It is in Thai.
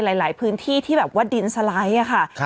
ก็มีในหลายพื้นที่ที่แบบว่าดินสไลด์